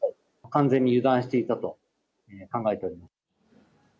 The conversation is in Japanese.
完全に油断していたと考えております。